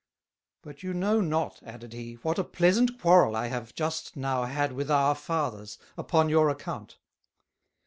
But you know not," added he, "what a pleasant Quarrel I have just now had with our Fathers, upon your account?